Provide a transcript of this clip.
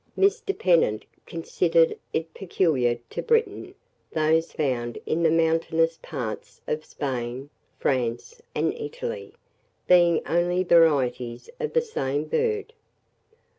Mr. Pennant considered it peculiar to Britain, those found in the mountainous parts of Spain, France, and Italy, being only varieties of the same bird.